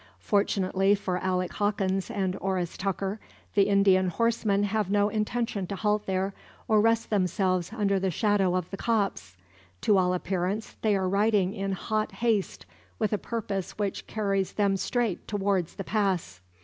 Fortunately for Alec Hawkins and Oris Tucker, the Indian horsemen have no intention to halt there, or rest themselves under the shadow of the copse. To all appearance they are riding in hot haste, and with a purpose which carries them straight towards the pass.